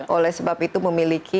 oleh sebab itu memiliki